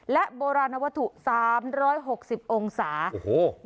และโบราณวัตถุสามร้อยหกสิบองศาโอ้โห